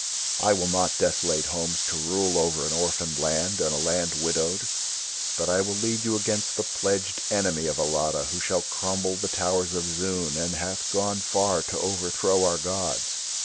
I will not desolate homes to rule over an orphaned land and a land widowed. But I will lead you against the pledged enemy of Alatta who shall crumble the towers of Zoon and hath gone far to overthrow our gods.